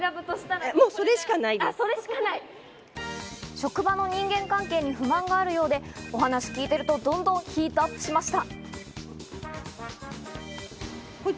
職場の人間関係に不満があるようで、お話を聞いていると、どんどんヒートアップしました。